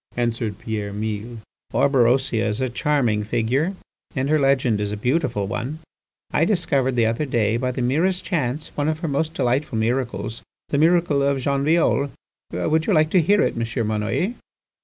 answered Pierre Mille. "Orberosia is a charming figure and her legend is a beautiful one. I discovered the other day by the merest chance, one of her most delightful miracles, the miracle of Jean Violle. Would you like to hear it, M. Monnoyer?"